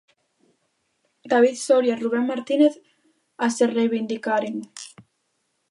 David Soria e Rubén Martínez a se reivindicaren.